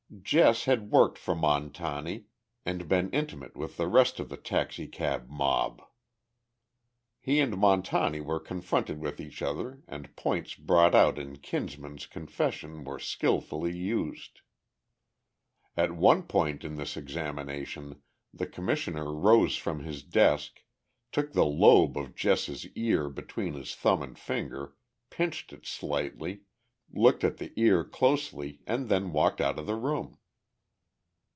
Jess had worked for Montani, and been intimate with the rest of the taxicab "mob." He and Montani were confronted with each other, and points brought out in Kinsman's confession were skillfully used. At one point in this examination the Commissioner rose from his desk, took the lobe of Jess's ear between his thumb and finger, pinched it slightly, looked at the ear closely, and then walked out of the room.